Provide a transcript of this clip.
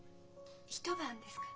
一晩ですか？